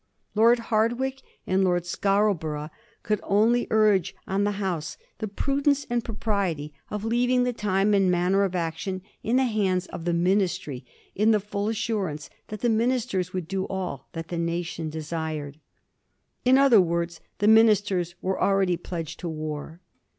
Lord Hardwicke and Lord Scarborough could only urge on the House the prudence and propriety of leaving the time and manner of action in the hands of the Ministry, in the full assurance that the ministers would do all that the nation desired. In other words, the ministers were already pledged to war.